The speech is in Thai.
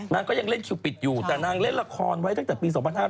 นางก็ยังเล่นคิวปิดอยู่แต่นางเล่นละครไว้ตั้งแต่ปี๒๕๕๙